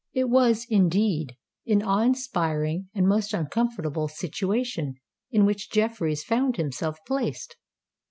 It was, indeed, an awe inspiring and most uncomfortable situation in which Jeffreys found himself placed.